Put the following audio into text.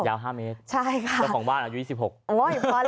ยาว๕เมตรจ้ะของบ้านอายุ๒๖วันพอแล้ว